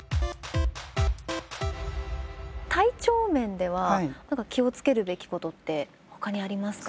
体調面では気を付けるべきことってほかにありますか？